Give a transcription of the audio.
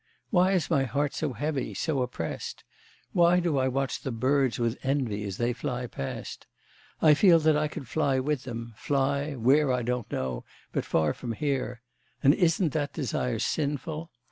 Why is my heart so heavy, so oppressed? Why do I watch the birds with envy as they fly past? I feel that I could fly with them, fly, where I don't know, but far from here. And isn't that desire sinful?